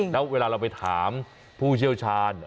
แล้วเวลาเราไปถามผู้เชี่ยวชาญ